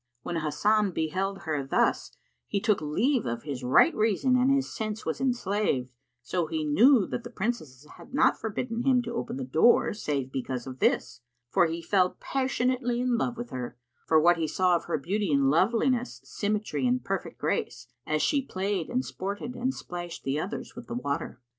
When Hasan beheld her thus he took leave of his right reason and his sense was enslaved, so he knew that the Princesses had not forbidden him to open the door save because of this; for he fell passionately in love with her, for what he saw of her beauty and loveliness, symmetry and perfect grace, as she played and sported and splashed the others with the water.